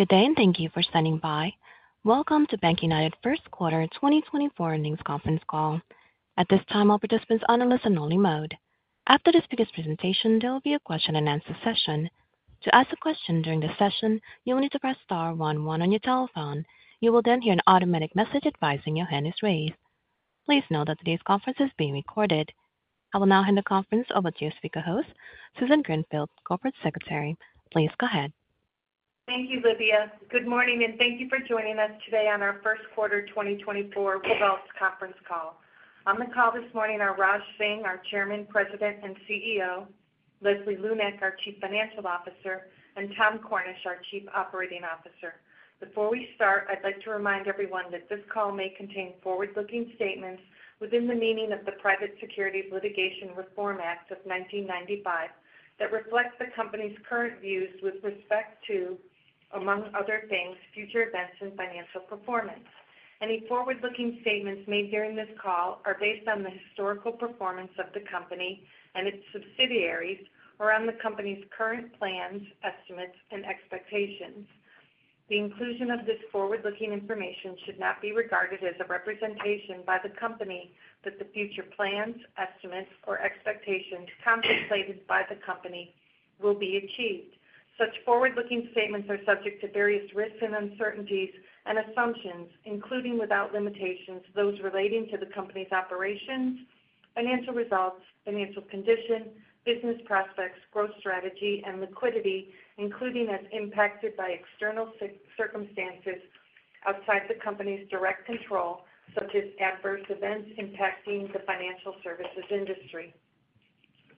Good day, and thank you for standing by. Welcome to BankUnited first quarter 2024 earnings conference call. At this time, all participants are on a listen-only mode. After the speaker's presentation, there will be a question-and-answer session. To ask a question during the session, you will need to press star one one on your telephone. You will then hear an automatic message advising your hand is raised. Please note that today's conference is being recorded. I will now hand the conference over to your speaker host, Susan Greenfield, Corporate Secretary. Please go ahead. Thank you, Olivia. Good morning, and thank you for joining us today on our first quarter 2024 results conference call. On the call this morning are Raj Singh, our Chairman, President, and CEO, Leslie Lunak, our Chief Financial Officer, and Tom Cornish, our Chief Operating Officer. Before we start, I'd like to remind everyone that this call may contain forward-looking statements within the meaning of the Private Securities Litigation Reform Act of 1995, that reflects the company's current views with respect to, among other things, future events and financial performance. Any forward-looking statements made during this call are based on the historical performance of the company and its subsidiaries, or on the company's current plans, estimates, and expectations. The inclusion of this forward-looking information should not be regarded as a representation by the company that the future plans, estimates, or expectations contemplated by the company will be achieved. Such forward-looking statements are subject to various risks and uncertainties and assumptions, including without limitations, those relating to the company's operations, financial results, financial condition, business prospects, growth strategy, and liquidity, including as impacted by external circumstances outside the company's direct control, such as adverse events impacting the financial services industry.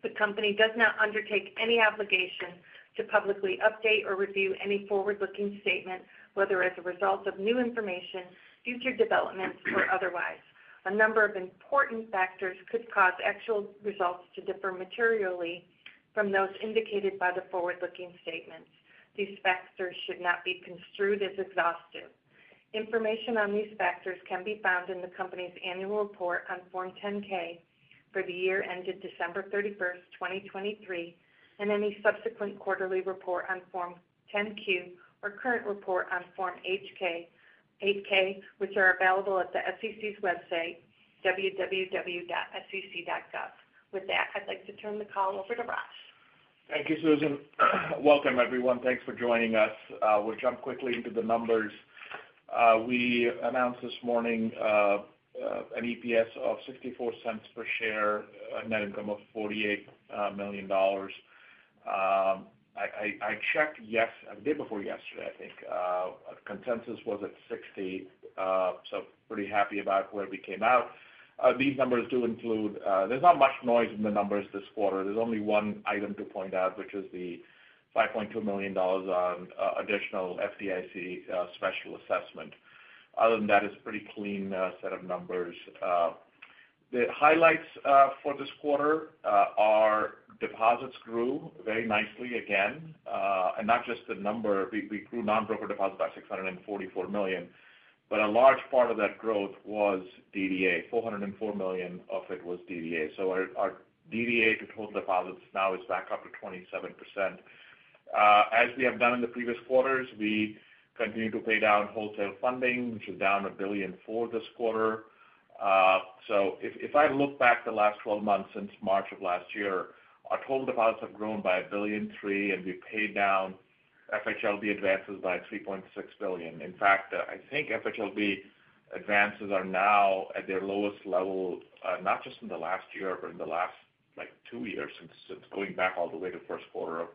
The company does not undertake any obligation to publicly update or review any forward-looking statement, whether as a result of new information, future developments, or otherwise. A number of important factors could cause actual results to differ materially from those indicated by the forward-looking statements. These factors should not be construed as exhaustive. Information on these factors can be found in the company's annual report on Form 10-K for the year ended December 31, 2023, and any subsequent quarterly report on Form 10-Q or current report on Form 8-K, which are available at the SEC's website, www.sec.gov. With that, I'd like to turn the call over to Raj. Thank you, Susan. Welcome, everyone. Thanks for joining us. We'll jump quickly into the numbers. We announced this morning an EPS of $0.64 per share, a net income of $48 million. I checked a day before yesterday, I think, consensus was at 60. So pretty happy about where we came out. These numbers do include, there's not much noise in the numbers this quarter. There's only one item to point out, which is the $5.2 million on additional FDIC special assessment. Other than that, it's a pretty clean set of numbers. The highlights for this quarter, our deposits grew very nicely again, and not just the number. We grew non-broker deposits by $644 million, but a large part of that growth was DDA. $404 million of it was DDA. So our DDA to total deposits now is back up to 27%. As we have done in the previous quarters, we continue to pay down wholesale funding, which is down $1.4 billion this quarter. So if I look back the last twelve months since March of last year, our total deposits have grown by $1.3 billion, and we paid down FHLB advances by $3.6 billion. In fact, I think FHLB advances are now at their lowest level, not just in the last year, but in the last, like, two years, since going back all the way to first quarter of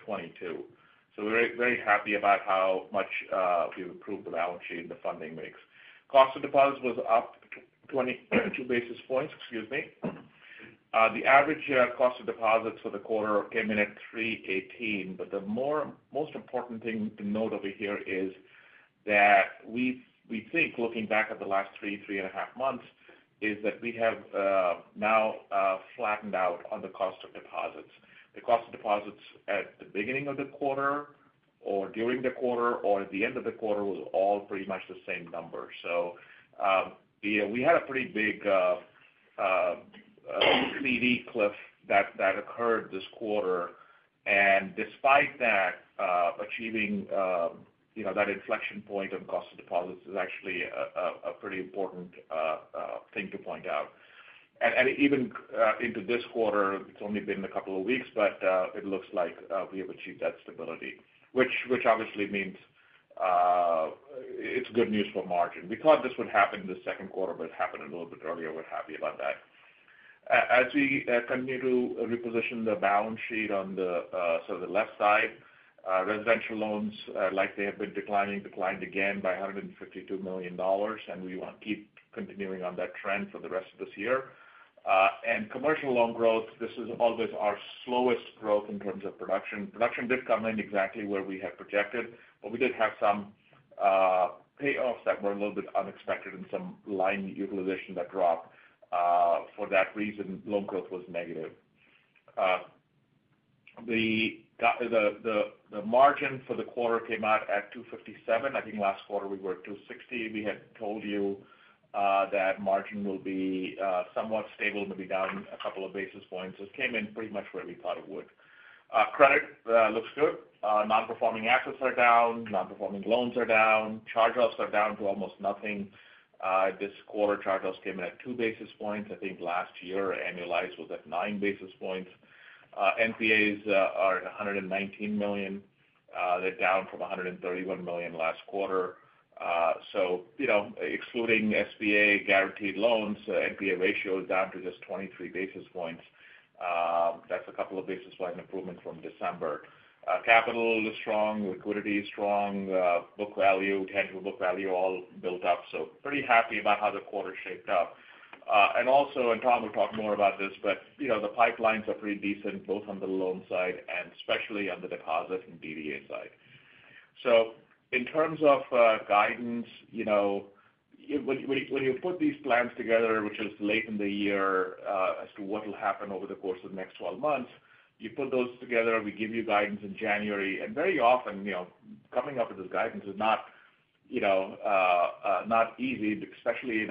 2022. So we're very, very happy about how much we've improved the balance sheet and the funding mix. Cost of deposits was up 22 basis points, excuse me. The average cost of deposits for the quarter came in at 3.18, but the most important thing to note over here is that we think looking back at the last three and a half months, is that we have now flattened out on the cost of deposits. The cost of deposits at the beginning of the quarter or during the quarter or at the end of the quarter was all pretty much the same number. So we had a pretty big CD cliff that occurred this quarter. And despite that, achieving, you know, that inflection point of cost of deposits is actually a pretty important thing to point out. And even into this quarter, it's only been a couple of weeks, but it looks like we have achieved that stability, which obviously means it's good news for margin. We thought this would happen in the second quarter, but it happened a little bit earlier. We're happy about that. As we continue to reposition the balance sheet on the, so the left side, residential loans, like they have been declining, declined again by $152 million, and we want to keep continuing on that trend for the rest of this year. And commercial loan growth, this is always our slowest growth in terms of production. Production did come in exactly where we had projected, but we did have some payoffs that were a little bit unexpected and some line utilization that dropped. For that reason, loan growth was negative. The margin for the quarter came out at 257. I think last quarter we were at 260. We had told you that margin will be somewhat stable, maybe down a couple of basis points. It came in pretty much where we thought it would. Credit looks good. Non-performing assets are down, non-performing loans are down, charge-offs are down to almost nothing. This quarter, charge-offs came in at 2 basis points. I think last year, annualized was at 9 basis points. NPAs are at $119 million. They're down from $131 million last quarter. So, you know, excluding SBA guaranteed loans, NPA ratio is down to just 23 basis points. That's a couple of basis points improvement from December. Capital is strong, liquidity is strong, book value, tangible book value, all built up. So pretty happy about how the quarter shaped up. And also, and Tom will talk more about this, but, you know, the pipelines are pretty decent, both on the loan side and especially on the deposit and DDA side. So in terms of guidance, you know, when you put these plans together, which is late in the year, as to what will happen over the course of the next twelve months, you put those together, we give you guidance in January, and very often, you know, coming up with this guidance is not, you know, not easy, especially in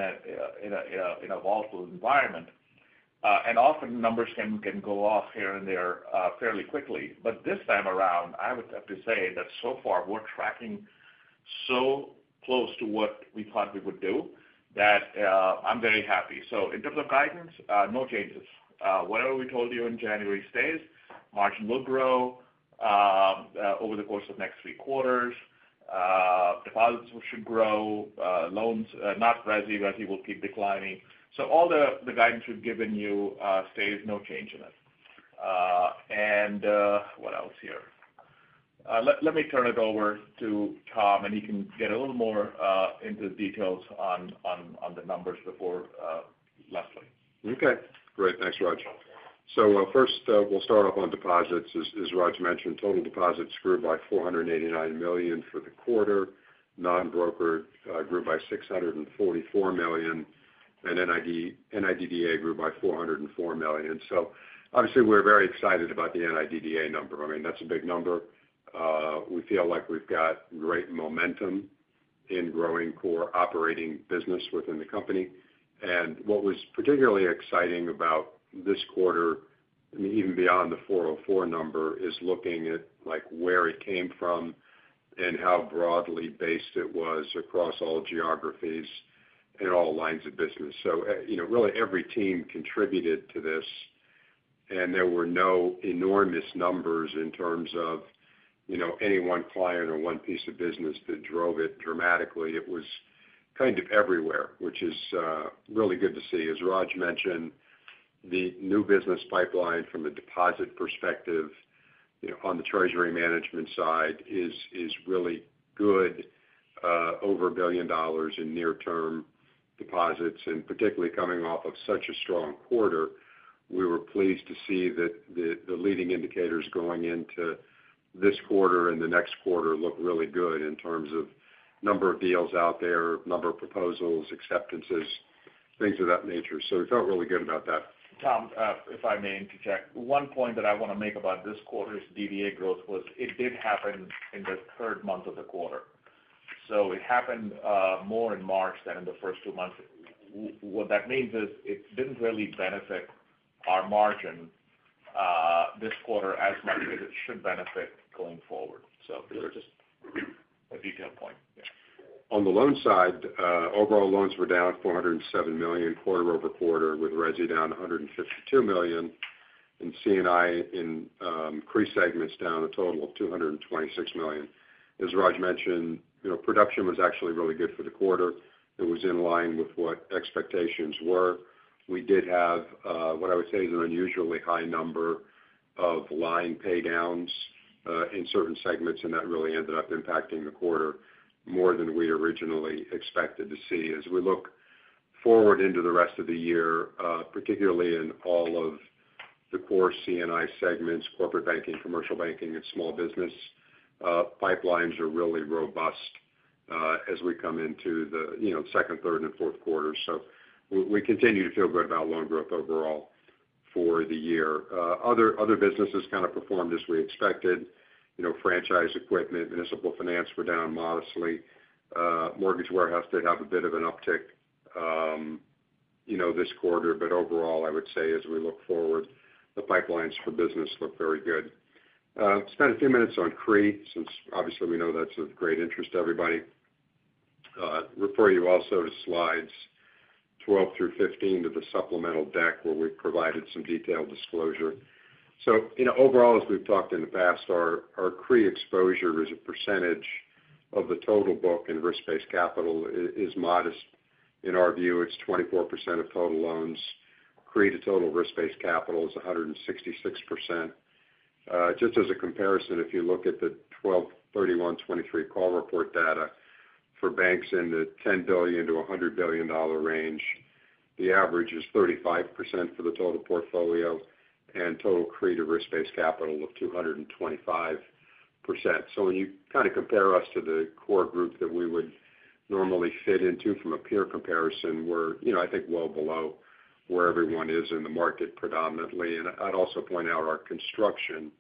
a volatile environment. And often numbers can go off here and there fairly quickly. But this time around, I would have to say that so far, we're tracking so close to what we thought we would do, that I'm very happy. So in terms of guidance, no changes. Whatever we told you in January stays. Margin will grow over the course of the next three quarters. Deposits should grow, loans, not resi, resi will keep declining. So all the guidance we've given you stays, no change in it. What else here? Let me turn it over to Tom, and he can get a little more into the details on the numbers before Leslie. Okay, great. Thanks, Raj. So, first, we'll start off on deposits. As Raj mentioned, total deposits grew by $489 million for the quarter. Non-broker grew by $644 million, and NIDDA grew by $404 million. So obviously, we're very excited about the NIDDA number. I mean, that's a big number. We feel like we've got great momentum in growing core operating business within the company. And what was particularly exciting about this quarter, even beyond the 404 number, is looking at, like, where it came from and how broadly based it was across all geographies and all lines of business. So, you know, really every team contributed to this, and there were no enormous numbers in terms of, you know, any one client or one piece of business that drove it dramatically. It was kind of everywhere, which is really good to see. As Raj mentioned, the new business pipeline from a deposit perspective, you know, on the treasury management side, is really good. Over $1 billion in near-term deposits, and particularly coming off of such a strong quarter, we were pleased to see that the leading indicators going into this quarter and the next quarter look really good in terms of number of deals out there, number of proposals, acceptances, things of that nature. So we felt really good about that. Tom, if I may interject, one point that I want to make about this quarter's DDA growth was it did happen in the third month of the quarter. So it happened more in March than in the first two months. What that means is it didn't really benefit our margin this quarter as much as it should benefit going forward. So just a detail point. On the loan side, overall loans were down $407 million quarter-over-quarter, with resi down $152 million, and C&I in CRE segments down a total of $226 million. As Raj mentioned, you know, production was actually really good for the quarter. It was in line with what expectations were. We did have what I would say is an unusually high number of line pay downs in certain segments, and that really ended up impacting the quarter more than we originally expected to see. As we look forward into the rest of the year, particularly in all of the core C&I segments, corporate banking, commercial banking, and small business, pipelines are really robust as we come into the, you know, second, third, and fourth quarter. So we continue to feel good about loan growth overall for the year. Other businesses kind of performed as we expected. You know, franchise equipment, municipal finance were down modestly. Mortgage warehouse did have a bit of an uptick, you know, this quarter. But overall, I would say as we look forward, the pipelines for business look very good. Spend a few minutes on CRE, since obviously we know that's of great interest to everybody. Refer you also to slides 12-15 of the supplemental deck, where we provided some detailed disclosure. So, you know, overall, as we've talked in the past, our CRE exposure as a percentage of the total book and risk-based capital is modest. In our view, it's 24% of total loans. CRE to total risk-based capital is 166%. Just as a comparison, if you look at the 12/31/2023 call report data for banks in the $10 billion-$100 billion range, the average is 35% for the total portfolio and total Tier 1 risk-based capital of 225%. So when you kind of compare us to the core group that we would normally fit into from a peer comparison, we're, you know, I think well below where everyone is in the market predominantly. And I'd also point out our construction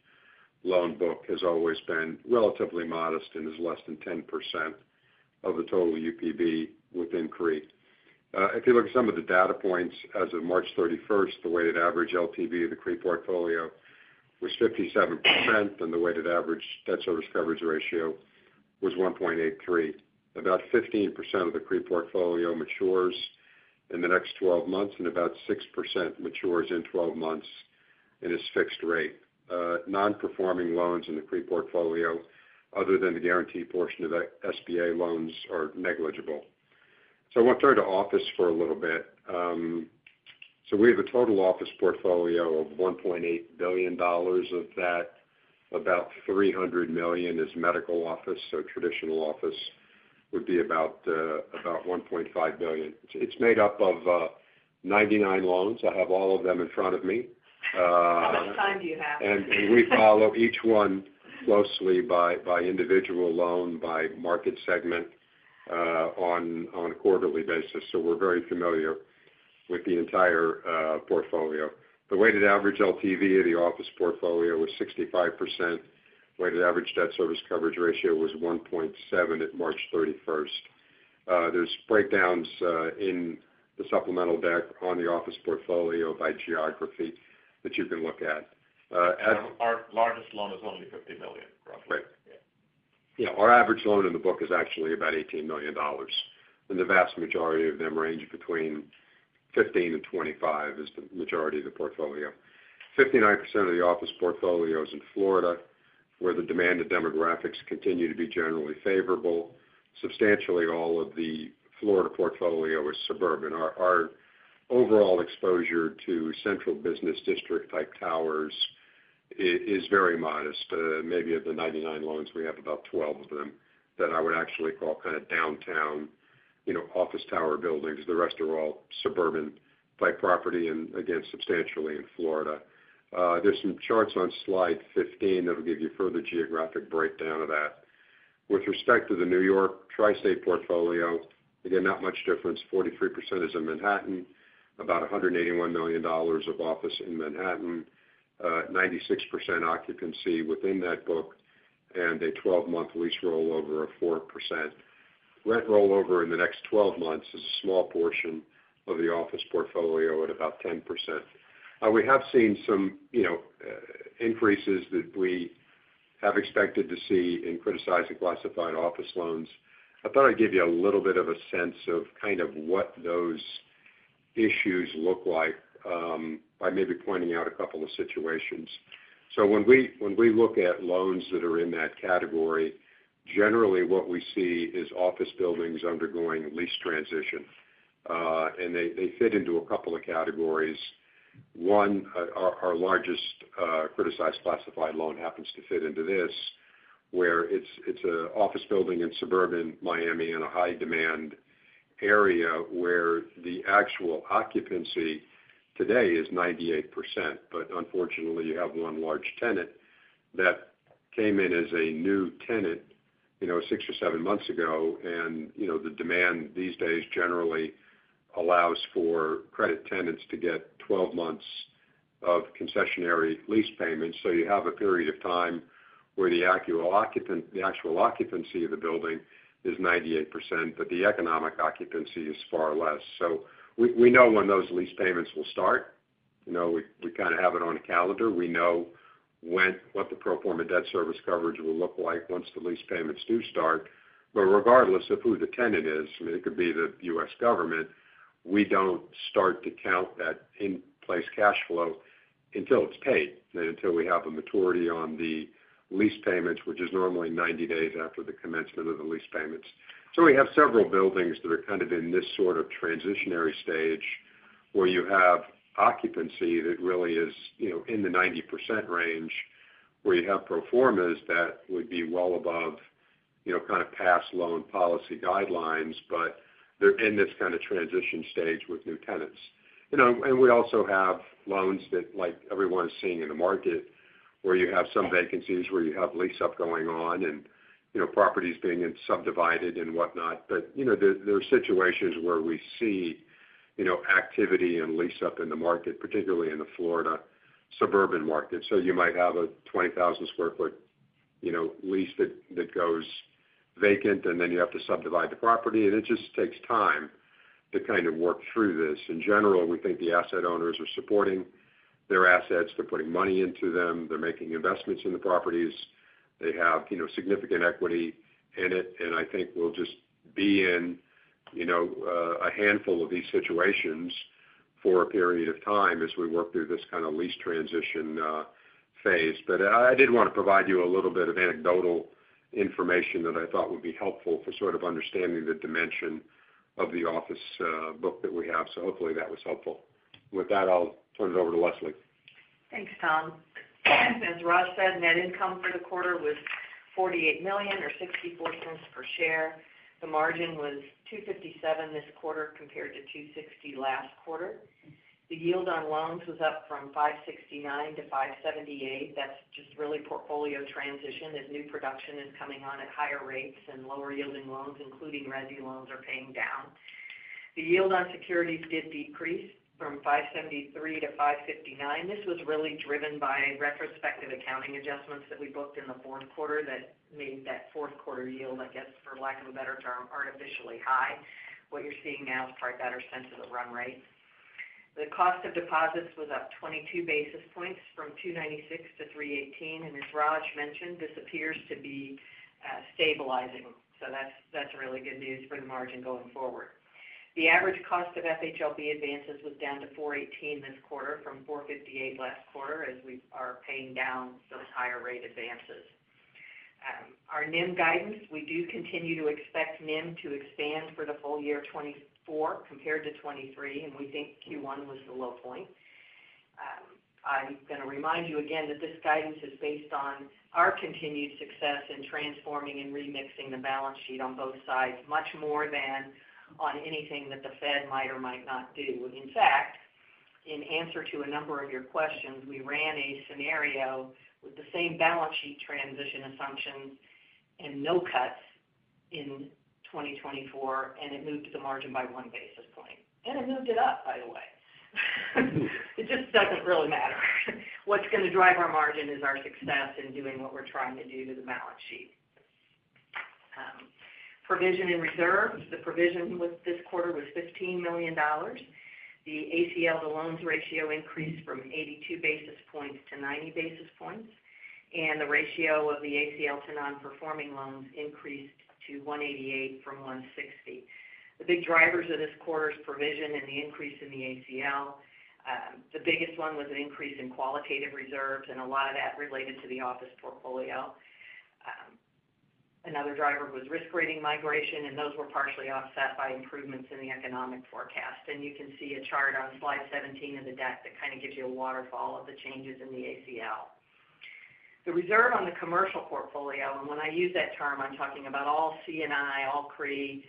loan book has always been relatively modest and is less than 10% of the total UPB within CRE. If you look at some of the data points as of March 31st, the weighted average LTV of the CRE portfolio was 57%, and the weighted average debt service coverage ratio was 1.83. About 15% of the CRE portfolio matures in the next twelve months, and about 6% matures in twelve months and is fixed rate. Non-performing loans in the CRE portfolio, other than the guaranteed portion of the SBA loans, are negligible. So I want to turn to office for a little bit. So we have a total office portfolio of $1.8 billion. Of that, about $300 million is medical office, so traditional office would be about $1.5 billion. It's made up of 99 loans. I have all of them in front of me. How much time do you have? And we follow each one closely by individual loan, by market segment, on a quarterly basis, so we're very familiar with the entire portfolio. The weighted average LTV of the office portfolio was 65%. Weighted average debt service coverage ratio was 1.7 at March 31st. There's breakdowns in the supplemental deck on the office portfolio by geography that you can look at. As- Our largest loan is only $50 million, roughly. Right. Yeah. Yeah, our average loan in the book is actually about $18 million, and the vast majority of them range between 15-25, is the majority of the portfolio. 59% of the office portfolio is in Florida, where the demand and demographics continue to be generally favorable. Substantially all of the Florida portfolio is suburban. Our overall exposure to central business district-type towers is very modest. Maybe of the 99 loans, we have about 12 of them that I would actually call kind of downtown, you know, office tower buildings. The rest are all suburban-type property, and again, substantially in Florida. There's some charts on slide 15 that'll give you further geographic breakdown of that. With respect to the New York Tri-State portfolio, again, not much difference. 43% is in Manhattan, about $181 million of office in Manhattan. 96% occupancy within that book, and a 12-month lease rollover of 4%. Rent rollover in the next 12 months is a small portion of the office portfolio at about 10%. We have seen some, you know, increases that we have expected to see in criticized and classified office loans. I thought I'd give you a little bit of a sense of kind of what those issues look like by maybe pointing out a couple of situations. So when we look at loans that are in that category, generally what we see is office buildings undergoing lease transition, and they fit into a couple of categories. Our largest criticized classified loan happens to fit into this, where it's an office building in suburban Miami in a high-demand area, where the actual occupancy today is 98%. But unfortunately, you have one large tenant that came in as a new tenant, you know, six or seven months ago, and, you know, the demand these days generally allows for credit tenants to get 12 months of concessionary lease payments. So you have a period of time where the actual occupancy of the building is 98%, but the economic occupancy is far less. So we know when those lease payments will start. You know, we kind of have it on a calendar. We know what the pro forma debt service coverage will look like once the lease payments do start. But regardless of who the tenant is, I mean, it could be the U.S. government, we don't start to count that in-place cash flow until it's paid and until we have a maturity on the lease payments, which is normally 90 days after the commencement of the lease payments. So we have several buildings that are kind of in this sort of transitionary stage, where you have occupancy that really is, you know, in the 90% range, where you have pro formas that would be well above, you know, kind of past loan policy guidelines, but they're in this kind of transition stage with new tenants. You know, and we also have loans that, like everyone is seeing in the market, where you have some vacancies, where you have lease up going on and, you know, properties being subdivided and whatnot. But, you know, there are situations where we see, you know, activity and lease up in the market, particularly in the Florida suburban market. So you might have a 20,000-sq-ft, you know, lease that goes vacant, and then you have to subdivide the property, and it just takes time to kind of work through this. In general, we think the asset owners are supporting their assets. They're putting money into them. They're making investments in the properties. They have, you know, significant equity in it, and I think we'll just be in, you know, a handful of these situations for a period of time as we work through this kind of lease transition, phase. I did want to provide you a little bit of anecdotal information that I thought would be helpful for sort of understanding the dimension of the office book that we have. Hopefully that was helpful. With that, I'll turn it over to Leslie. Thanks, Tom. As Raj said, net income for the quarter was $48 million or $0.64 per share. The margin was 2.57% this quarter, compared to 2.60% last quarter. The yield on loans was up from 5.69%-5.78%. That's just really portfolio transition, as new production is coming on at higher rates and lower-yielding loans, including resi loans, are paying down. The yield on securities did decrease from 5.73%-5.59%. This was really driven by retrospective accounting adjustments that we booked in the fourth quarter that made that fourth quarter yield, I guess, for lack of a better term, artificially high. What you're seeing now is probably a better sense of the run rate. The cost of deposits was up 22 basis points from 2.96%-3.18%, and as Raj mentioned, this appears to be stabilizing. So that's, that's really good news for the margin going forward. The average cost of FHLB advances was down to 4.18 this quarter from 4.58 last quarter, as we are paying down those higher rate advances. Our NIM guidance, we do continue to expect NIM to expand for the full year 2024 compared to 2023, and we think Q1 was the low point. I'm going to remind you again that this guidance is based on our continued success in transforming and remixing the balance sheet on both sides, much more than on anything that the Fed might or might not do. In fact, in answer to a number of your questions, we ran a scenario with the same balance sheet transition assumptions and no cuts in 2024, and it moved the margin by 1 basis point, and it moved it up, by the way. It just doesn't really matter. What's going to drive our margin is our success in doing what we're trying to do to the balance sheet. Provision and reserves. The provision with this quarter was $15 million. The ACL to loans ratio increased from 82 basis points to 90 basis points, and the ratio of the ACL to non-performing loans increased to 188 from 160. The big drivers of this quarter's provision and the increase in the ACL, the biggest one was an increase in qualitative reserves, and a lot of that related to the office portfolio. Another driver was risk rating migration, and those were partially offset by improvements in the economic forecast. And you can see a chart on slide 17 in the deck that kind of gives you a waterfall of the changes in the ACL. The reserve on the commercial portfolio, and when I use that term, I'm talking about all C&I, all CRE,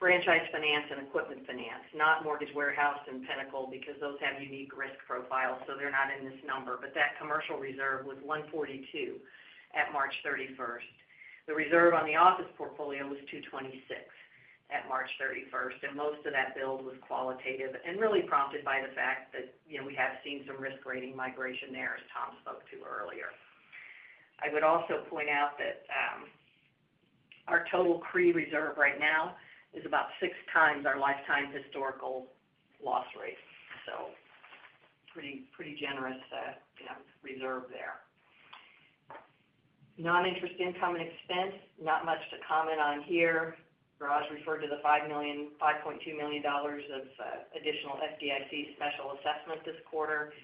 franchise finance and equipment finance, not Mortgage Warehouse and Pinnacle, because those have unique risk profiles, so they're not in this number. But that commercial reserve was $142 at March 31st. The reserve on the office portfolio was $226 at March 31st, and most of that build was qualitative and really prompted by the fact that, you know, we have seen some risk rating migration there, as Tom spoke to earlier. I would also point out that our total CRE reserve right now is about 6 times our lifetime historical loss rate. So pretty, pretty generous, you know, reserve there. Non-interest income and expense, not much to comment on here. Raj referred to the $5.2 million of additional FDIC special assessment this quarter,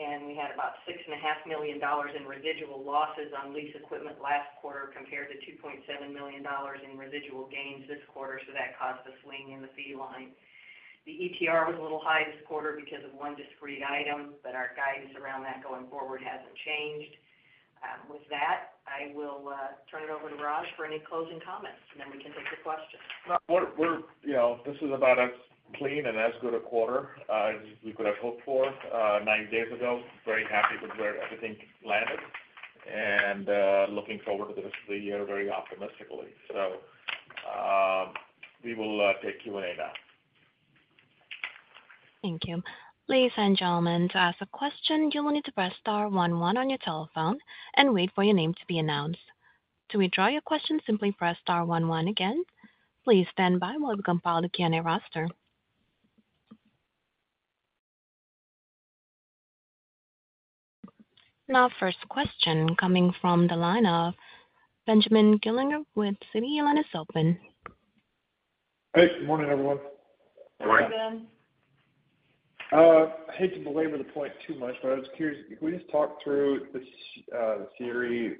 and we had about $6.5 million in residual losses on lease equipment last quarter, compared to $2.7 million in residual gains this quarter, so that caused the swing in the fee line. The ETR was a little high this quarter because of one discrete item, but our guidance around that going forward hasn't changed. With that, I will turn it over to Raj for any closing comments, and then we can take the questions. No, we're, you know, this is about as clean and as good a quarter as we could have hoped for 90 days ago. Very happy with where everything landed and looking forward to the rest of the year very optimistically. So, we will take Q&A now. Thank you. Ladies and gentlemen, to ask a question, you will need to press star one, one on your telephone and wait for your name to be announced. To withdraw your question, simply press star one, one again. Please stand by while we compile the Q&A roster. Now, first question coming from the line of Benjamin Gerlinger with Citi, your line is open. Hey, good morning, everyone. Good morning. Hi, Ben. I hate to belabor the point too much, but I was curious. Could we just talk through the theory,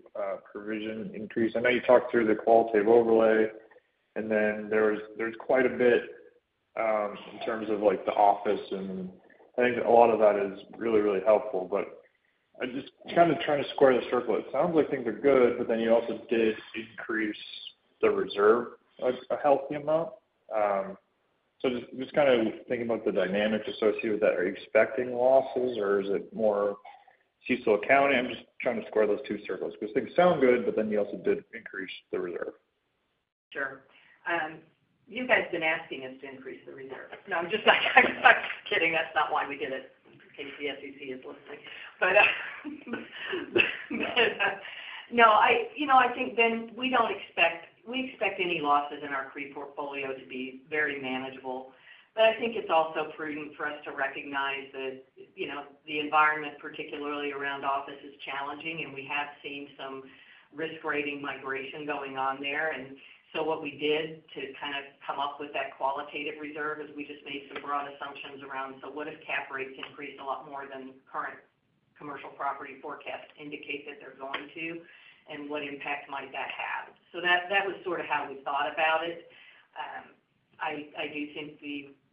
provision increase? I know you talked through the qualitative overlay, and then there's quite a bit in terms of, like, the office, and I think a lot of that is really, really helpful. But I'm just kind of trying to square the circle. It sounds like things are good, but then you also did increase the reserve a healthy amount. So just kind of thinking about the dynamics associated with that. Are you expecting losses, or is it more useful accounting? I'm just trying to square those two circles because things sound good, but then you also did increase the reserve. Sure. You guys have been asking us to increase the reserve. No, I'm just, I'm kidding. That's not why we did it, in case the SEC is listening. But, no, I—you know, I think, Ben, we don't expect—we expect any losses in our CRE portfolio to be very manageable. But I think it's also prudent for us to recognize that, you know, the environment, particularly around office, is challenging, and we have seen some risk rating migration going on there. And so what we did to kind of come up with that qualitative reserve is we just made some broad assumptions around, so what if cap rates increase a lot more than current commercial property forecasts indicate that they're going to, and what impact might that have? So that, that was sort of how we thought about it. I do think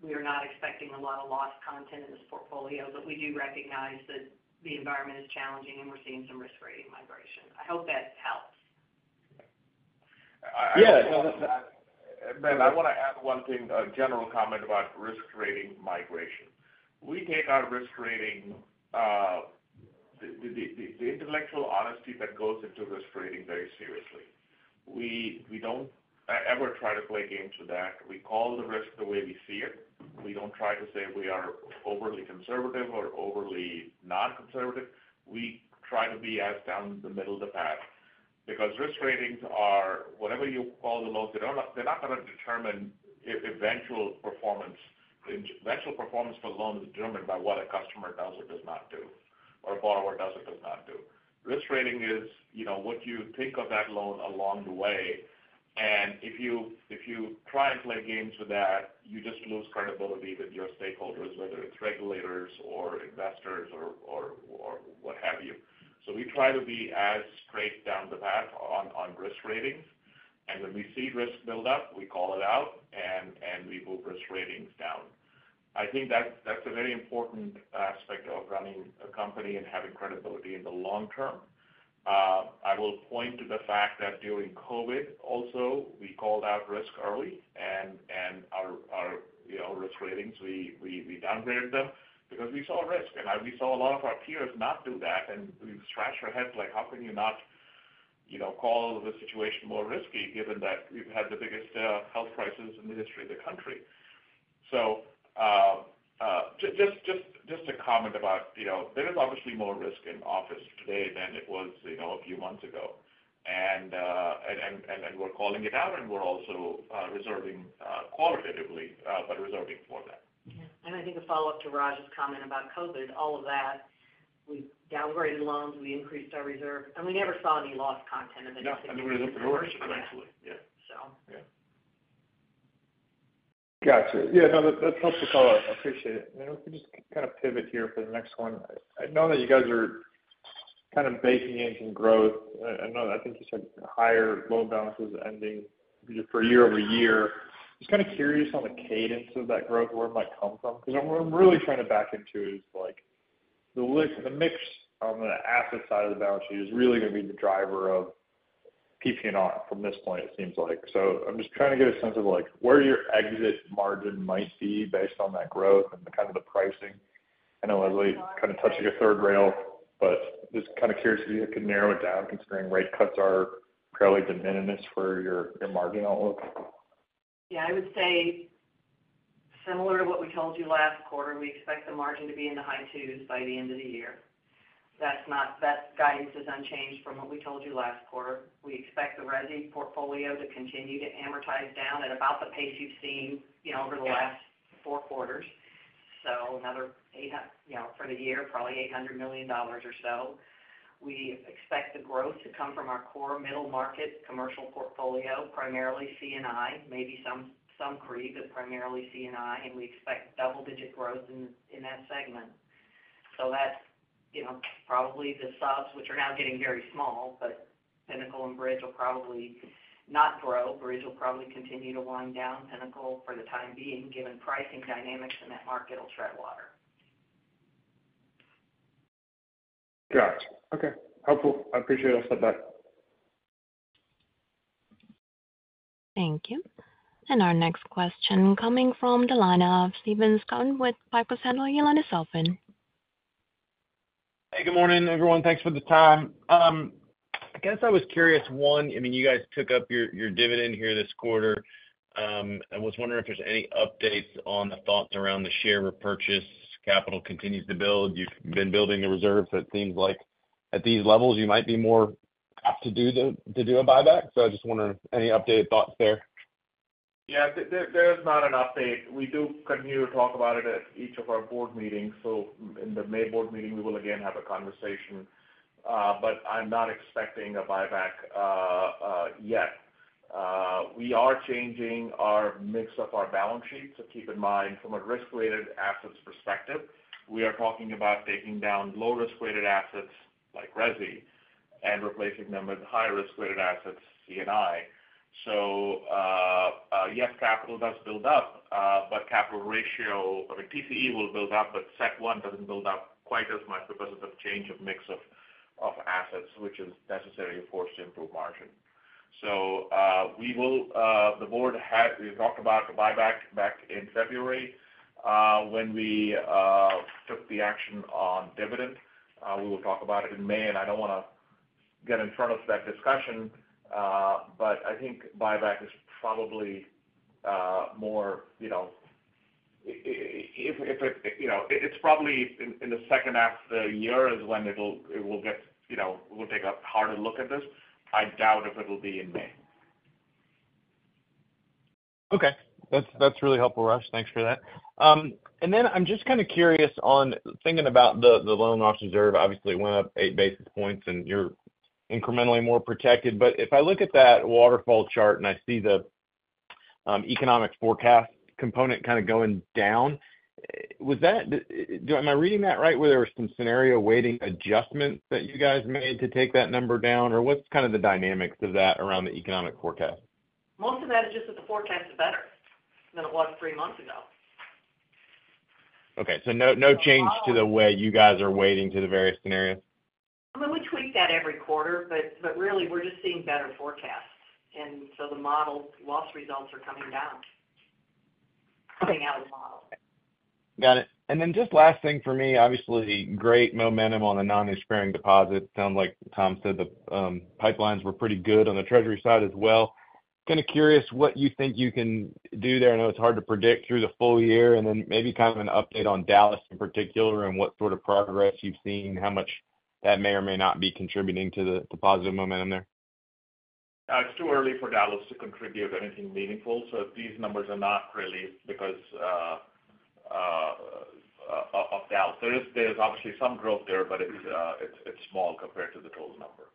we are not expecting a lot of loss content in this portfolio, but we do recognize that the environment is challenging, and we're seeing some risk rating migration. I hope that helps. Yeah, Ben, I want to add one thing, a general comment about risk rating migration. We take our risk rating, the intellectual honesty that goes into risk rating very seriously. We don't ever try to play games with that. We call the risk the way we see it. We don't try to say we are overly conservative or overly non-conservative. We try to be as down the middle of the path, because risk ratings are whatever you call the loans, they're not gonna determine if eventual performance for loan is determined by what a customer does or does not do, or a borrower does or does not do. Risk rating is, you know, what you think of that loan along the way, and if you try and play games with that, you just lose credibility with your stakeholders, whether it's regulators or investors or what have you. So we try to be as straight down the path on risk ratings. And when we see risk build up, we call it out and we move risk ratings down. I think that's a very important aspect of running a company and having credibility in the long term. I will point to the fact that during COVID also, we called out risk early, and our, you know, risk ratings, we downgraded them because we saw risk. And we saw a lot of our peers not do that, and we scratch our heads like, how can you not, you know, call the situation more risky given that we've had the biggest health crisis in the history of the country? So, just to comment about, you know, there is obviously more risk in office today than it was, you know, a few months ago. And we're calling it out, and we're also reserving qualitatively, but reserving for that. Yeah. And I think a follow-up to Raj's comment about COVID, all of that, we've downgraded loans, we increased our reserve, and we never saw any loss content in the- Yeah, and we were looking worse than that actually. Yeah. Yeah, so, yeah. Gotcha. Yeah, no, that, that helps us all out. I appreciate it. And if we just kind of pivot here for the next one. I know that you guys are kind of baking in some growth. I know, I think you said higher loan balances ending for year-over-year. Just kind of curious on the cadence of that growth, where it might come from. Because what I'm really trying to back into is like, the mix on the asset side of the balance sheet is really going to be the driver of PP&R from this point, it seems like. So I'm just trying to get a sense of like, where your exit margin might be based on that growth and the pricing. I know I'm kind of touching a third rail, but just kind of curious if you could narrow it down, considering rate cuts are probably de minimis for your, your margin outlook. Yeah, I would say similar to what we told you last quarter, we expect the margin to be in the high 2s by the end of the year. That's not. That guidance is unchanged from what we told you last quarter. We expect the resi portfolio to continue to amortize down at about the pace you've seen, you know, over the last four quarters. So another eight—you know, for the year, probably $800 million or so. We expect the growth to come from our core middle market commercial portfolio, primarily C&I, maybe some, some CRE, but primarily C&I, and we expect double-digit growth in, in that segment. So that's, you know, probably the subs, which are now getting very small, but Pinnacle and Bridge will probably not grow. Bridge will probably continue to wind down Pinnacle for the time being, given pricing dynamics in that market will tread water. Got you. Okay, helpful. I appreciate it. I'll step back. Thank you. Our next question coming from the line of Stephen Scouten with Piper Sandler. Your line is open. Hey, good morning, everyone. Thanks for the time. I guess I was curious, one, I mean, you guys took up your, your dividend here this quarter. I was wondering if there's any updates on the thoughts around the share repurchase. Capital continues to build. You've been building the reserve. It seems like at these levels, you might be more apt to do a buyback. So I just wonder, any updated thoughts there? Yeah, there's not an update. We do continue to talk about it at each of our board meetings. So in the May board meeting, we will again have a conversation, but I'm not expecting a buyback yet. We are changing our mix of our balance sheet. So keep in mind, from a risk-weighted assets perspective, we are talking about taking down low risk-weighted assets like resi and replacing them with high risk-weighted assets, C&I. So, yes, capital does build up, but capital ratio, I mean, TCE will build up, but CET1 doesn't build up quite as much because of the change of mix of assets, which is necessarily forced to improve margin. So, we will, we talked about the buyback back in February, when we took the action on dividend. We will talk about it in May, and I don't want to get in front of that discussion, but I think buyback is probably more, you know, if it, you know, it's probably in the second half of the year is when it'll, it will get, you know, we'll take a harder look at this. I doubt if it will be in May. Okay. That's, that's really helpful, Raj. Thanks for that. And then I'm just kind of curious on thinking about the, the loan loss reserve. Obviously, it went up 8 basis points, and you're incrementally more protected. But if I look at that waterfall chart and I see the economic forecast component kind of going down, was that, am I reading that right, where there were some scenario weighting adjustments that you guys made to take that number down? Or what's kind of the dynamics of that around the economic forecast? Most of that is just that the forecast is better than it was three months ago. Okay. So no, no change to the way you guys are weighting to the various scenarios? I mean, we tweak that every quarter, but, but really, we're just seeing better forecasts, and so the model loss results are coming down - coming out of the model. Got it. And then just last thing for me, obviously, great momentum on the non-interest-bearing deposits. Sounds like Tom said the pipelines were pretty good on the treasury side as well. Kind of curious what you think you can do there. I know it's hard to predict through the full year, and then maybe kind of an update on Dallas in particular, and what sort of progress you've seen, how much that may or may not be contributing to the positive momentum there? It's too early for Dallas to contribute anything meaningful. So these numbers are not really because of Dallas. There's obviously some growth there, but it's small compared to the total number.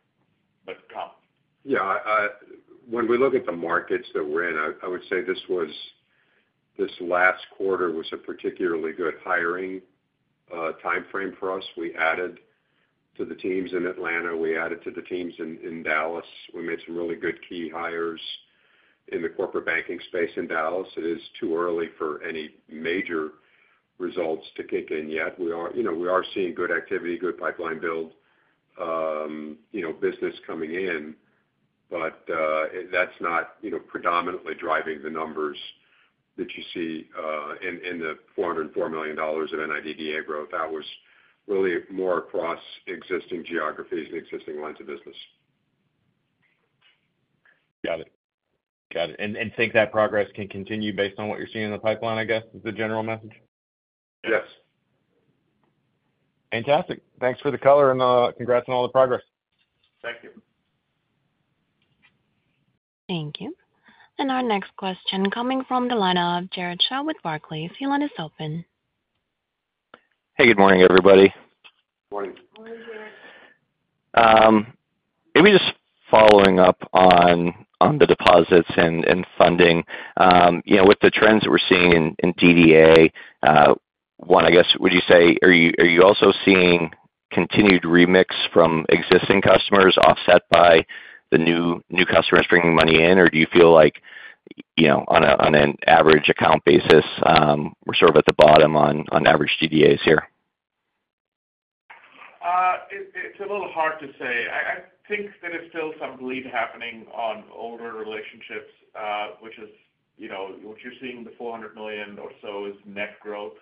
But Tom. Yeah. When we look at the markets that we're in, I would say this last quarter was a particularly good hiring timeframe for us. We added to the teams in Atlanta, we added to the teams in Dallas. We made some really good key hires in the corporate banking space in Dallas. It is too early for any major results to kick in yet. We are, you know, we are seeing good activity, good pipeline build, you know, business coming in. But that's not, you know, predominantly driving the numbers that you see in the $404 million of NIDDA growth. That was really more across existing geographies and existing lines of business. Got it. Got it. And think that progress can continue based on what you're seeing in the pipeline, I guess, is the general message? Yes. Fantastic. Thanks for the color and congrats on all the progress. Thank you. Thank you. Our next question coming from the line of Jared Shaw with Barclays. Your line is open. Hey, good morning, everybody. Morning. Morning, Jared. Maybe just following up on the deposits and funding. You know, with the trends that we're seeing in DDA, I guess, would you say—are you also seeing continued remix from existing customers offset by the new customers bringing money in? Or do you feel like, you know, on an average account basis, we're sort of at the bottom on average DDAs here? It's a little hard to say. I think there is still some bleed happening on older relationships, which is, you know, what you're seeing, the $400 million or so is net growth.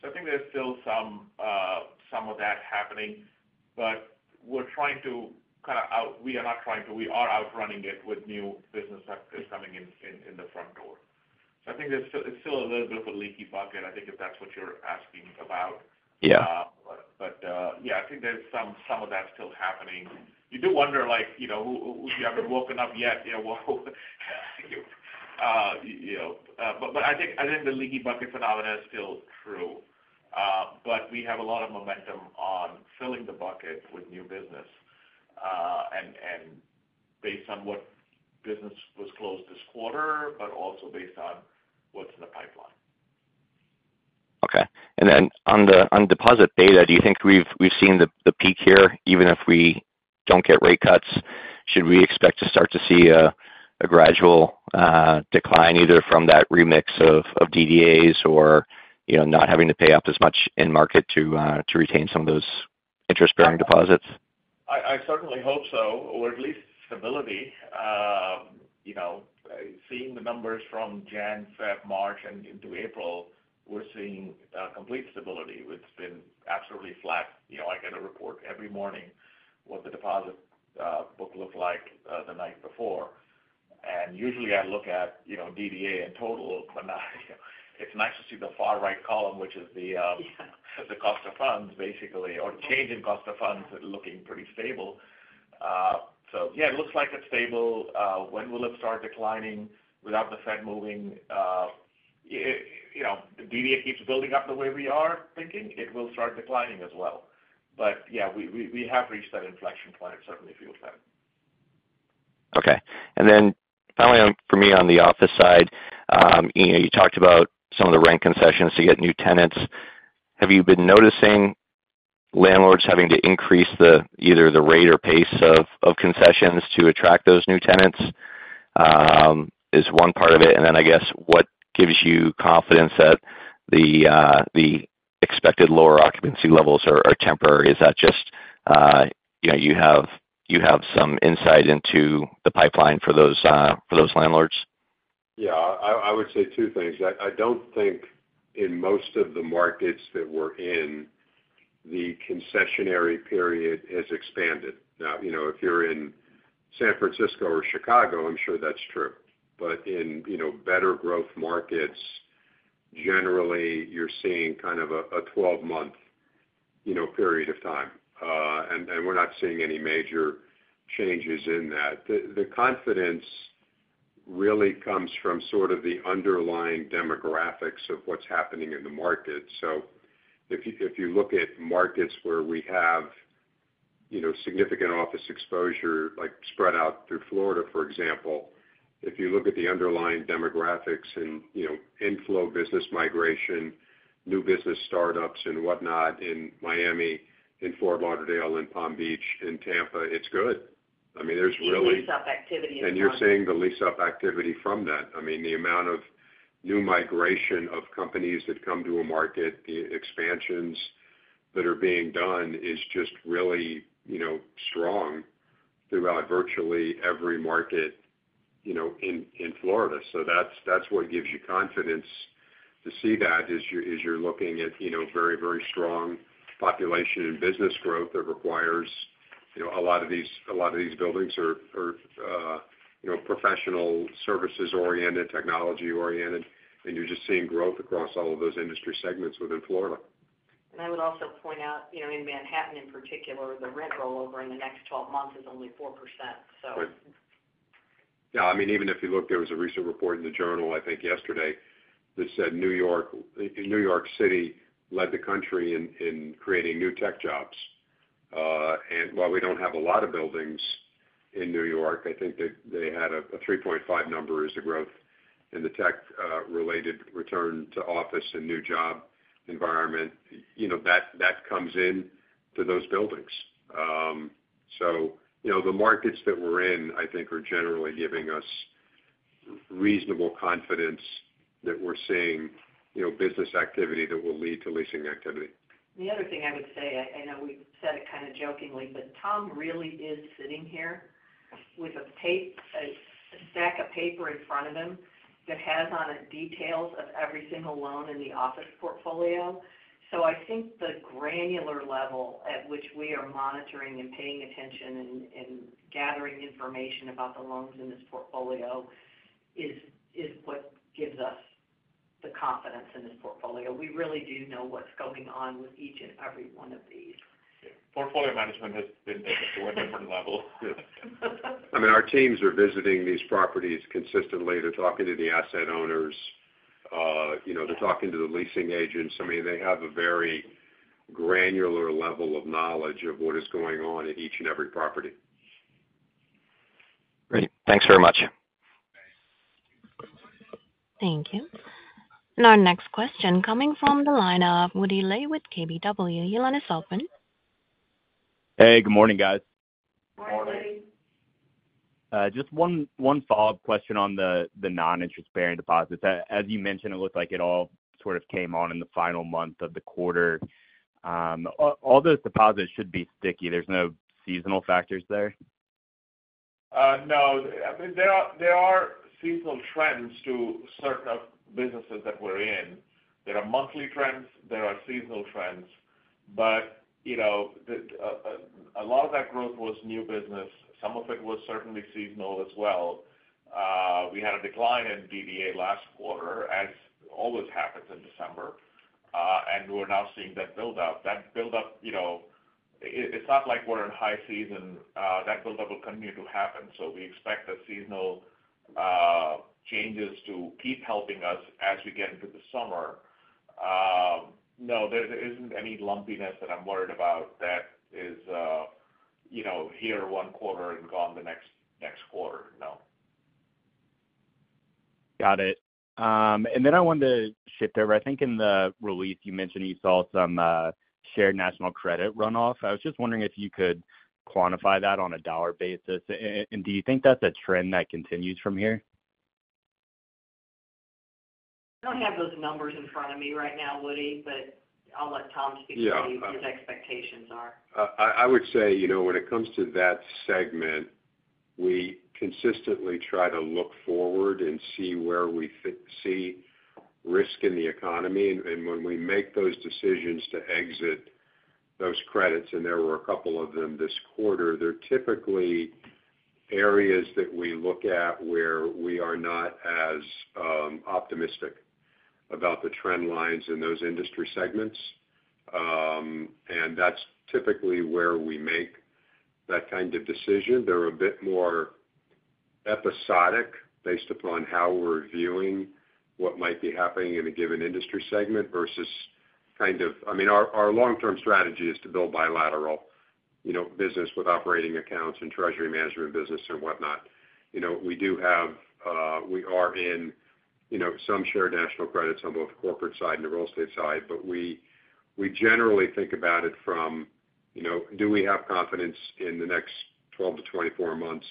So I think there's still some of that happening. But we're trying to kind of out... We are not trying to, we are outrunning it with new business that is coming in the front door. So I think there's still—it's still a little bit of a leaky bucket, I think, if that's what you're asking about. Yeah. Yeah, I think there's some of that still happening. You do wonder, like, you know, who haven't woken up yet, you know, you know. But I think the leaky bucket phenomenon is still true. But we have a lot of momentum on filling the bucket with new business, and based on what business was closed this quarter, but also based on what's in the pipeline. Okay. And then on deposit beta, do you think we've seen the peak here, even if we don't get rate cuts? Should we expect to start to see a gradual decline, either from that remix of DDAs or, you know, not having to pay up as much in market to retain some of those interest-bearing deposits? I certainly hope so, or at least stability. You know, seeing the numbers from January, February, March, and into April, we're seeing complete stability, which has been absolutely flat. You know, I get a report every morning, what the deposit book looked like the night before. And usually I look at, you know, DDA in total, but now it's nice to see the far right column, which is the cost of funds, basically, or change in cost of funds looking pretty stable. So yeah, it looks like it's stable. When will it start declining without the Fed moving? You know, if DDA keeps building up the way we are thinking, it will start declining as well. But yeah, we have reached that inflection point, it certainly feels like. Okay. And then finally, for me, on the office side, you know, you talked about some of the rent concessions to get new tenants. Have you been noticing landlords having to increase the, either the rate or pace of concessions to attract those new tenants? Is one part of it, and then I guess, what gives you confidence that the expected lower occupancy levels are temporary? Is that just, you know, you have some insight into the pipeline for those landlords? Yeah, I would say two things. I don't think in most of the markets that we're in, the concessionary period has expanded. Now, you know, if you're in San Francisco or Chicago, I'm sure that's true. But in, you know, better growth markets, generally, you're seeing kind of a 12-month, you know, period of time. And we're not seeing any major changes in that. The confidence really comes from sort of the underlying demographics of what's happening in the market. So if you look at markets where we have, you know, significant office exposure, like spread out through Florida, for example, if you look at the underlying demographics and, you know, inflow business migration, new business startups and whatnot, in Miami, in Fort Lauderdale, in Palm Beach, in Tampa, it's good. I mean, there's really- The lease-up activity is strong. And you're seeing the lease-up activity from that. I mean, the amount of new migration of companies that come to a market, the expansions that are being done is just really, you know, strong throughout virtually every market, you know, in Florida. So that's what gives you confidence to see that as you're looking at, you know, very, very strong population and business growth that requires, you know, a lot of these, a lot of these buildings are, you know, professional services-oriented, technology-oriented, and you're just seeing growth across all of those industry segments within Florida. I would also point out, you know, in Manhattan, in particular, the rent rollover in the next 12 months is only 4%, so. Right. Yeah, I mean, even if you look, there was a recent report in the journal, I think yesterday, that said New York, New York City led the country in creating new tech jobs. And while we don't have a lot of buildings in New York, I think they had a 3.5 number as a growth in the tech related return to office and new job environment. You know, that comes into those buildings. So you know, the markets that we're in, I think, are generally giving us reasonable confidence that we're seeing, you know, business activity that will lead to leasing activity. The other thing I would say, I know we've said it kind of jokingly, but Tom really is sitting here with a stack of paper in front of him that has on it details of every single loan in the office portfolio. So I think the granular level at which we are monitoring and paying attention and gathering information about the loans in this portfolio is what gives us the confidence in this portfolio. We really do know what's going on with each and every one of these. Portfolio management has been taken to a different level. I mean, our teams are visiting these properties consistently. They're talking to the asset owners, you know, they're talking to the leasing agents. I mean, they have a very granular level of knowledge of what is going on in each and every property. Great. Thanks very much. Thank you. Our next question coming from the line of Woody Lay with KBW. Your line is open. Hey, good morning, guys. Morning. Morning. Just one, one follow-up question on the, the non-interest-bearing deposits. As you mentioned, it looked like it all sort of came on in the final month of the quarter. All those deposits should be sticky. There's no seasonal factors there? No. I mean, there are seasonal trends to certain businesses that we're in. There are monthly trends, there are seasonal trends, but, you know, a lot of that growth was new business. Some of it was certainly seasonal as well. We had a decline in DDA last quarter, as always happens in December, and we're now seeing that build up. That build up, you know, it's not like we're in high season, that build up will continue to happen. So we expect the seasonal changes to keep helping us as we get into the summer. No, there isn't any lumpiness that I'm worried about that is, you know, here one quarter and gone the next quarter. No. Got it. And then I wanted to shift over. I think in the release, you mentioned you saw some Shared National Credit runoff. I was just wondering if you could quantify that on a dollar basis. And do you think that's a trend that continues from here? I don't have those numbers in front of me right now, Woody, but I'll let Tom speak to what his expectations are. Yeah. I would say, you know, when it comes to that segment, we consistently try to look forward and see risk in the economy. And when we make those decisions to exit those credits, and there were a couple of them this quarter, they're typically areas that we look at where we are not as optimistic about the trend lines in those industry segments. And that's typically where we make that kind of decision. They're a bit more episodic based upon how we're viewing what might be happening in a given industry segment versus kind of... I mean, our long-term strategy is to build bilateral, you know, business with operating accounts and treasury management business and whatnot. You know, we do have we are in, you know, some Shared National Credits on both the corporate side and the real estate side, but we, we generally think about it from, you know, do we have confidence in the next 12-24 months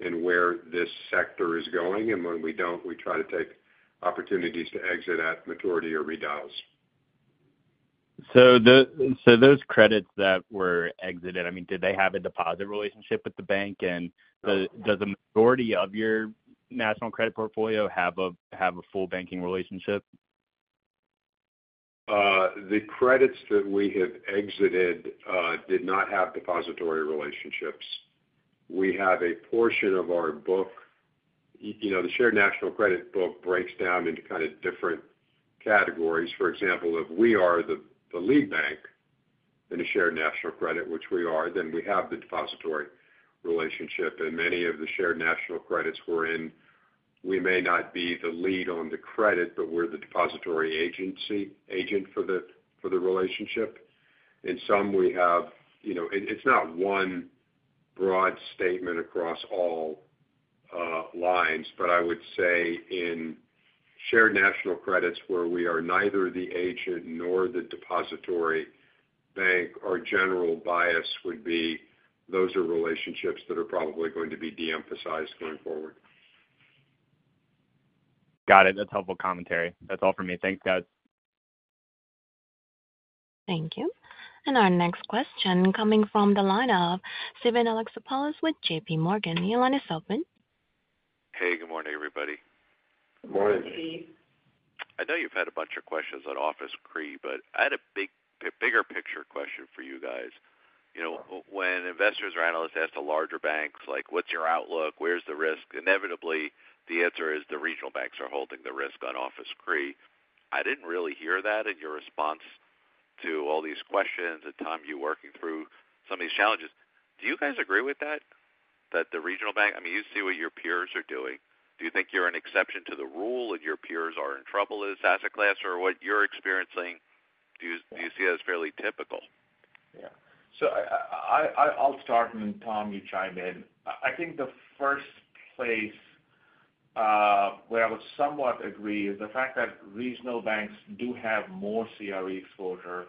in where this sector is going? And when we don't, we try to take opportunities to exit at maturity or redials. So those credits that were exited, I mean, did they have a deposit relationship with the bank? And does the majority of your national credit portfolio have a full banking relationship? The credits that we have exited did not have depository relationships. We have a portion of our book, you know, the Shared National Credit book breaks down into kind of different categories. For example, if we are the lead bank in a Shared National Credit, which we are, then we have the depository relationship. And many of the Shared National Credits we're in, we may not be the lead on the credit, but we're the depository agent for the relationship. In some we have, you know. It's not one broad statement across all lines, but I would say in Shared National Credits, where we are neither the agent nor the depository bank, our general bias would be those are relationships that are probably going to be de-emphasized going forward.... Got it. That's helpful commentary. That's all for me. Thanks, guys. Thank you. Our next question coming from the line of Steven Alexopoulos with JPMorgan. Your line is open. Hey, good morning, everybody. Good morning, Steve. I know you've had a bunch of questions on office CRE, but I had a bigger picture question for you guys. You know, when investors or analysts ask the larger banks, like, "What's your outlook? Where's the risk?" Inevitably, the answer is the regional banks are holding the risk on office CRE. I didn't really hear that in your response to all these questions and, Tom, you working through some of these challenges. Do you guys agree with that, that the regional bank, I mean, you see what your peers are doing. Do you think you're an exception to the rule, and your peers are in trouble, this asset class, or what you're experiencing, do you, do you see as fairly typical? Yeah. So I'll start, and then Tom, you chime in. I think the first place where I would somewhat agree is the fact that regional banks do have more CRE exposure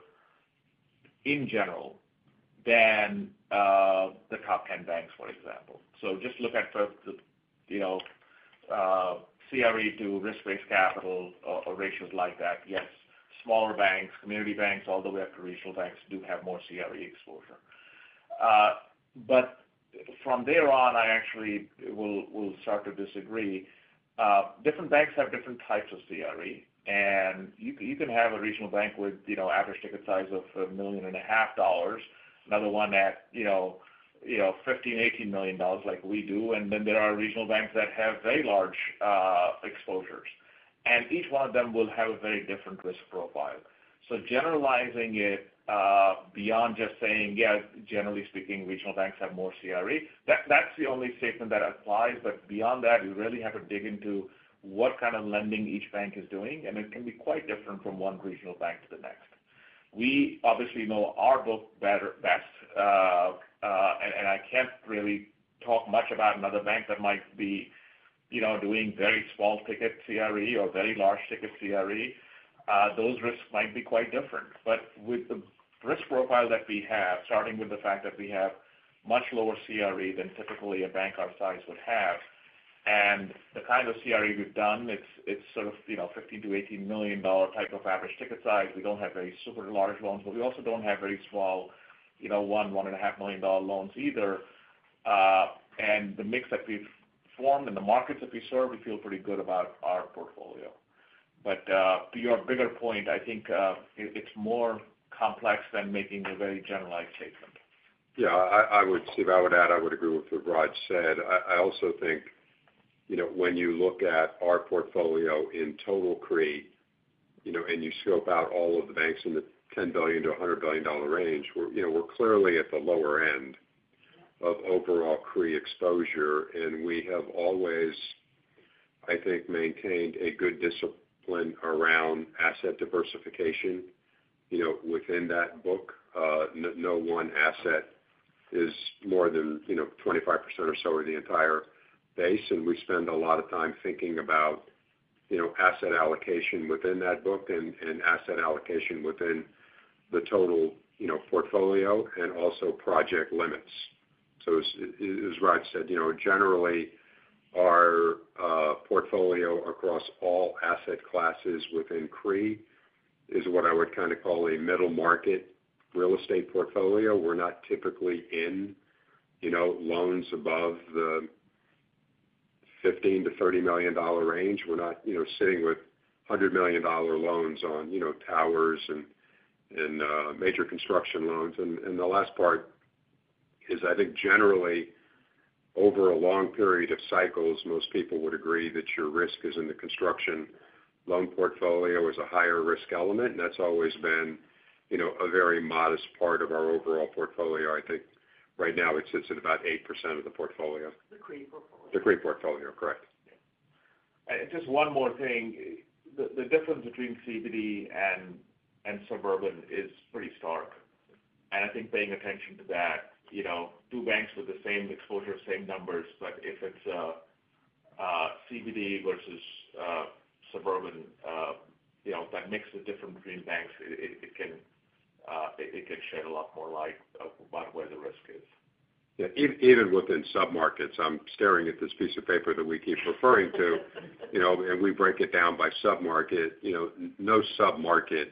in general than the top 10 banks, for example. So just look at the you know CRE to risk-based capital, or ratios like that. Yes, smaller banks, community banks, all the way up to regional banks do have more CRE exposure. But from there on, I actually will start to disagree. Different banks have different types of CRE, and you can have a regional bank with you know average ticket size of $1.5 million, another one at you know $15 million-$18 million, like we do, and then there are regional banks that have very large exposures. And each one of them will have a very different risk profile. So generalizing it, beyond just saying, "Yes, generally speaking, regional banks have more CRE," that's the only statement that applies. But beyond that, you really have to dig into what kind of lending each bank is doing, and it can be quite different from one regional bank to the next. We obviously know our book better, best. I can't really talk much about another bank that might be, you know, doing very small ticket CRE or very large ticket CRE. Those risks might be quite different. But with the risk profile that we have, starting with the fact that we have much lower CRE than typically a bank our size would have, and the kind of CRE we've done, it's sort of, you know, $15 million-$18 million type of average ticket size. We don't have very super large loans, but we also don't have very small, you know, one and a half million dollar loans either. The mix that we've formed and the markets that we serve, we feel pretty good about our portfolio. But to your bigger point, I think it's more complex than making a very generalized statement. Yeah, I would—Steve, I would add, I would agree with what Raj said. I also think, you know, when you look at our portfolio in total CRE, you know, and you scope out all of the banks in the $10 billion-$100 billion range, we're, you know, we're clearly at the lower end of overall CRE exposure. And we have always, I think, maintained a good discipline around asset diversification. You know, within that book, no one asset is more than, you know, 25% or so of the entire base. And we spend a lot of time thinking about, you know, asset allocation within that book and asset allocation within the total, you know, portfolio, and also project limits. So, as Raj said, you know, generally, our portfolio across all asset classes within CRE is what I would kind of call a middle market real estate portfolio. We're not typically in, you know, loans above the $15 million-$30 million range. We're not, you know, sitting with $100 million loans on, you know, towers and, and major construction loans. And the last part is, I think generally, over a long period of cycles, most people would agree that your risk is in the construction loan portfolio is a higher risk element, and that's always been, you know, a very modest part of our overall portfolio. I think right now it sits at about 8% of the portfolio. The CRE portfolio. The CRE portfolio, correct. Just one more thing. The difference between CBD and suburban is pretty stark. And I think paying attention to that, you know, two banks with the same exposure, same numbers, but if it's CBD versus suburban, you know, that mix is different between banks, it can shed a lot more light about where the risk is. Yeah, even within submarkets, I'm staring at this piece of paper that we keep referring to. You know, and we break it down by submarket. You know, no submarket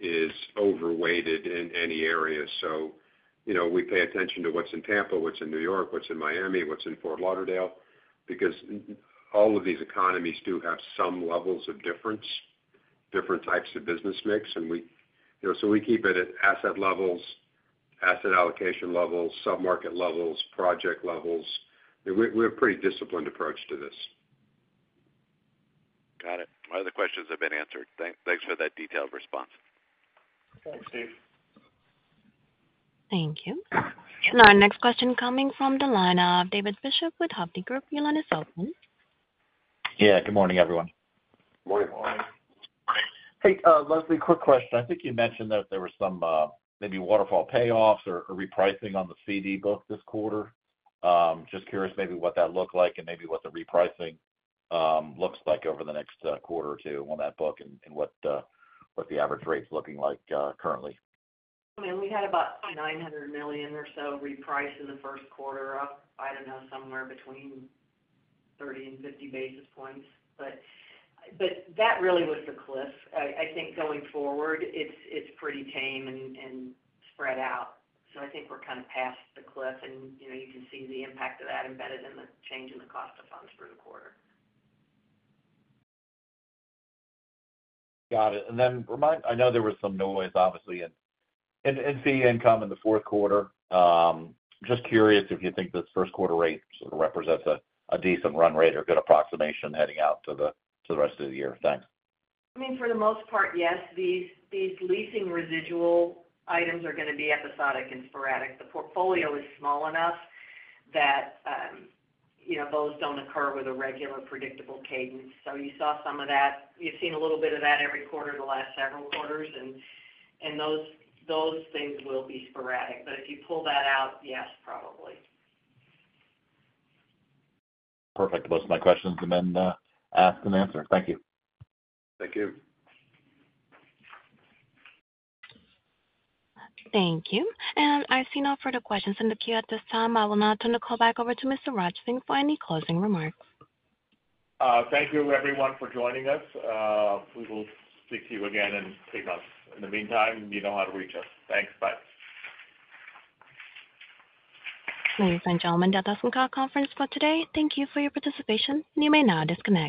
is overweighted in any area. So, you know, we pay attention to what's in Tampa, what's in New York, what's in Miami, what's in Fort Lauderdale, because all of these economies do have some levels of difference, different types of business mix. And we-- you know, so we keep it at asset levels, asset allocation levels, submarket levels, project levels. We have a pretty disciplined approach to this. Got it. My other questions have been answered. Thanks for that detailed response. Thanks, Steve. Thank you. Our next question coming from the line of David Bishop with Hovde Group. Your line is open. Yeah, good morning, everyone. Morning. Morning. Hey, Leslie, quick question. I think you mentioned that there were some, maybe waterfall payoffs or, or repricing on the CD book this quarter. Just curious maybe what that looked like and maybe what the repricing, looks like over the next, quarter or two on that book and, and what, what the average rate's looking like, currently? I mean, we had about $900 million or so repriced in the first quarter, up, I don't know, somewhere between 30 and 50 basis points. But, that really was the cliff. I think going forward, it's, pretty tame and, and spread out. So I think we're kind of past the cliff and, you know, you can see the impact of that embedded in the change in the cost of funds for the quarter. Got it. And then remind-- I know there was some noise, obviously, in fee income in the fourth quarter. Just curious if you think this first quarter rate sort of represents a decent run rate or good approximation heading out to the rest of the year? Thanks. I mean, for the most part, yes. These leasing residual items are going to be episodic and sporadic. The portfolio is small enough that, you know, those don't occur with a regular, predictable cadence. So you saw some of that. We've seen a little bit of that every quarter in the last several quarters, and those things will be sporadic. But if you pull that out, yes, probably. Perfect. Those are my questions, and then asked and answered. Thank you. Thank you. Thank you. I see no further questions in the queue at this time. I will now turn the call back over to Mr. Raj Singh for any closing remarks. Thank you, everyone, for joining us. We will speak to you again in three months. In the meantime, you know how to reach us. Thanks. Bye. Ladies and gentlemen, that ends the conference call for today. Thank you for your participation. You may now disconnect.